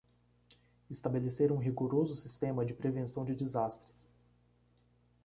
Estabelecer um rigoroso sistema de prevenção de desastres